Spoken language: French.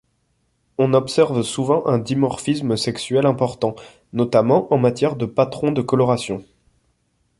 On observe souvent un dimorphisme sexuel important, notamment en matière de patrons de coloration.